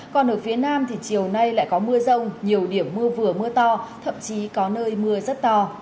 còn ở phía nam thì chiều nay lại có mưa rông nhiều điểm mưa vừa mưa to thậm chí có nơi mưa rất to